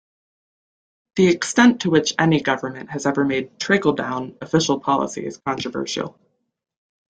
The extent to which any government has ever made "trickle-down" official policy is controversial.